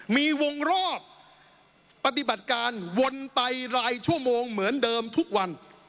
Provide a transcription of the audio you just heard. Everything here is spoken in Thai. มีวงรอบปฏิบัติการวนไปหลายชั่วโมงเหมือนเดิมทุกวัน